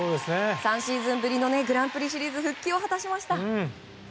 ３シーズンぶりのグランプリシリーズ復帰を果たしました。